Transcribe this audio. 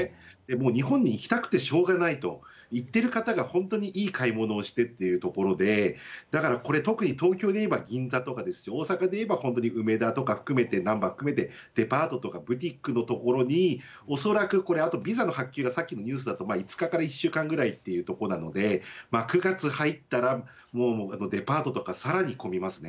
もう日本に行きたくてしょうがないと言ってる方が本当にいい買い物をしてっていうところで、だからこれ、特に東京でいえば銀座とか、大阪でいえば本当に梅田とか含めて、なんば含めて、デパートとかブティックのところに、恐らくこれ、あと発給がさっきのニュースだと、５日から１週間ぐらいというところなので、９月入ったらもう、デパートとかさらに混みますね。